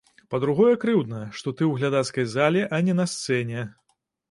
Па-другое, крыўдна, што ты ў глядацкай зале, а не на сцэне.